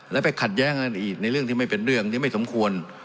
แล้วไปขัดแย้งกันอีกในเรื่องที่ไม่เป็นเรื่องที่ไม่สมควร